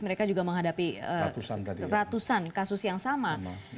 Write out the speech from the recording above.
mereka juga menghadapi ratusan kasus yang sama